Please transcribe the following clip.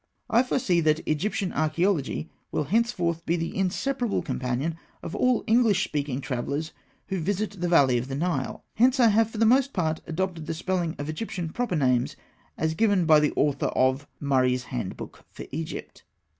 I foresee that Egyptian Archaeology will henceforth be the inseparable companion of all English speaking travellers who visit the Valley of the Nile; hence I have for the most part adopted the spelling of Egyptian proper names as given by the author of "Murray's Handbook for Egypt."